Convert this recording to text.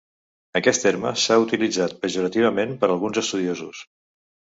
Aquest terme s'ha utilitzat pejorativament per alguns estudiosos.